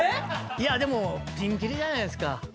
でもピンキリじゃないですか。